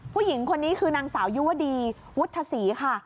ผู้หญิงคนนี้คือนางสาวยุวดีวุฒศีค่ะ